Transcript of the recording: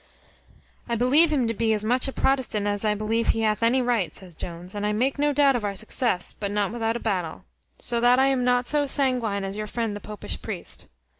"I believe him to be as much a Protestant as I believe he hath any right," says Jones; "and I make no doubt of our success, but not without a battle. So that I am not so sanguine as your friend the popish priest."